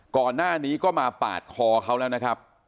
ก่อนหน้านี้ก็มาปาดคอเขาแล้วนะครับ